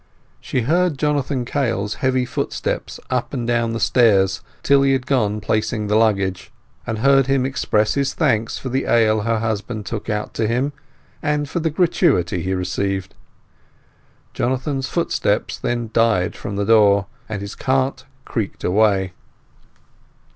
She heard Jonathan Kail's heavy footsteps up and down the stairs till he had done placing the luggage, and heard him express his thanks for the ale her husband took out to him, and for the gratuity he received. Jonathan's footsteps then died from the door, and his cart creaked away.